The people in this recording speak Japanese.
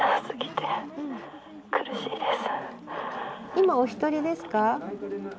今お一人ですか？